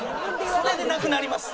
それでなくなります。